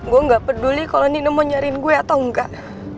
gue gak peduli kalau nina mau nyariin gue atau enggak